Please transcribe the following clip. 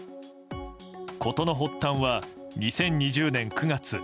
事の発端は、２０２０年９月。